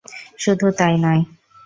শুধু তাই নয়।